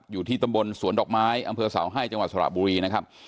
อยู่ที่ตำบลสวนดอกไม้อำเภอเสาให้จังหวัดสระบุรีนะครับ